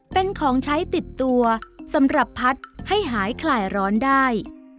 เป็นของใช้ติดตัวสำหรับพัดให้หายคลายร้อนได้